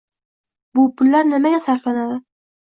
Bu pullar nimalarga sarflanadi?